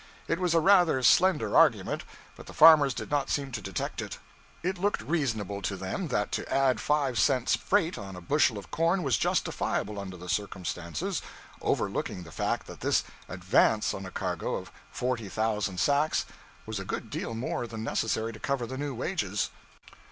It was a rather slender argument, but the farmers did not seem to detect it. It looked reasonable to them that to add five cents freight on a bushel of corn was justifiable under the circumstances, overlooking the fact that this advance on a cargo of forty thousand sacks was a good deal more than necessary to cover the new wages.